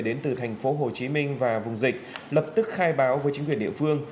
đến từ thành phố hồ chí minh và vùng dịch lập tức khai báo với chính quyền địa phương